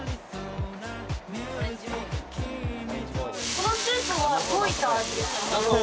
このスープはどういった味ですか？